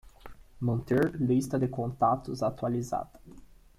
Manter lista de contatos atualizada.